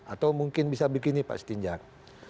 atau mungkin bisa begini pak setinjak